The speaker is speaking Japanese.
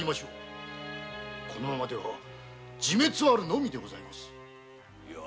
このままでは自滅あるのみでございます。